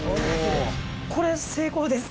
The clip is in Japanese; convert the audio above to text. これ成功ですか？